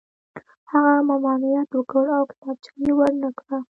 هغه ممانعت وکړ او کتابچه یې ور نه کړه